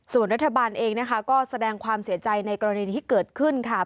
ส่วนรัฐบาลเองนะคะก็แสดงความเสียใจในกรณีที่เกิดขึ้นค่ะ